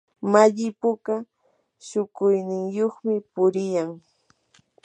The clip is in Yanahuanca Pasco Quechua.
malli puka shukuyniyuqmi puriykan.